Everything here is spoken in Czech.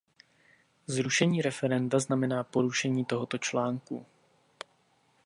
Zrušení referenda znamená porušení tohoto článku.